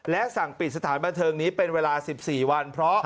และสั่งปิดสถานบันเทิงนี้เป็นเวลา๑๔วันเพราะ